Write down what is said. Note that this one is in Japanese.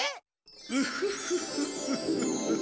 ウフフフフ。